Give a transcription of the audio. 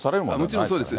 もちろんそうです。